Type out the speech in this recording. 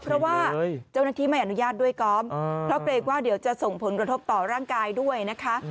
เพราะว่าเจ้าหน้าที่ไม่อนุญาตด้วยก๊อฟเพราะเกรงว่าเดี๋ยวจะส่งผลกระทบต่อร่างกายด้วยนะคะ